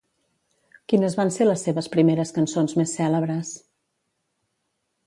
Quines van ser les seves primeres cançons més cèlebres?